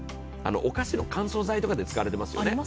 お菓子の乾燥剤とかで使われています。